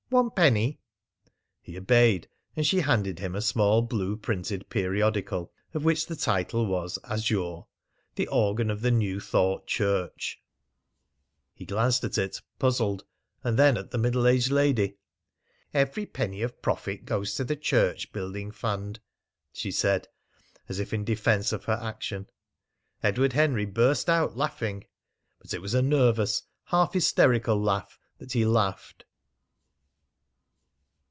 "One penny." He obeyed, and she handed him a small blue printed periodical of which the title was, Azure, "the Organ of the New Thought Church." He glanced at it, puzzled, and then at the middle aged lady. "Every penny of profit goes to the Church Building Fund," she said, as if in defence of her action. Edward Henry burst out laughing; but it was a nervous, half hysterical laugh that he laughed.